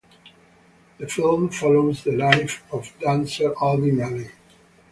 The film follows the life of dancer Alvin Ailey.